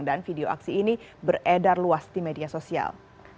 dan video aksi ini beredar luas di media sosial